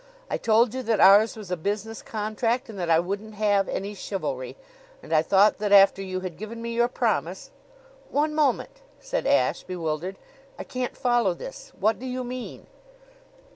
I told you that ours was a business contract and that I wouldn't have any chivalry; and I thought that after you had given me your promise " "One moment," said Ashe, bewildered. "I can't follow this. What do you mean?"